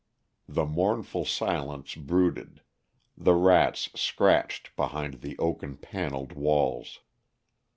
The mournful silence brooded, the rats scratched behind the oaken paneled walls.